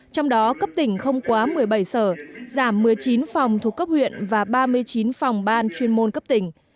trong đó cấp tỉnh không quá một mươi bảy sở giảm một mươi chín phòng thuộc cấp huyện và ba mươi chín phòng ban chuyên môn cấp tỉnh